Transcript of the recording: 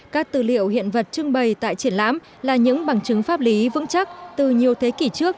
các tư liệu hiện vật trưng bày tại triển lãm là những bằng chứng pháp lý vững chắc từ nhiều thế kỷ trước